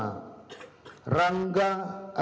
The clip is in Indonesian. pemirsa kota kota